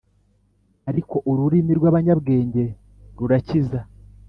Ariko ururimi rw’abanyabwenge rurakiza